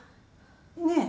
ねえ？